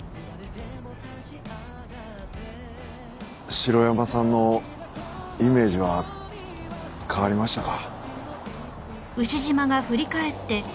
城山さんのイメージは変わりましたか？